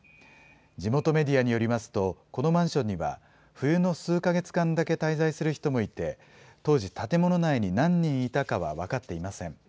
地元メディアによりますと、このマンションには、冬の数か月間だけ滞在する人もいて、当時、建物内に何人いたかは分かっていません。